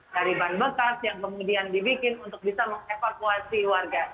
dari ban bekas yang kemudian dibikin untuk bisa mengevakuasi warga